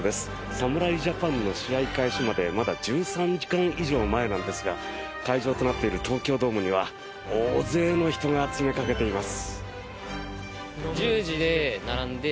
侍ジャパンの試合開始までまだ１３時間以上前なんですが会場となっている東京ドームには大勢の人が詰めかけています。